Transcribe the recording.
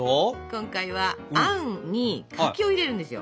今回はあんに柿を入れるんですよ。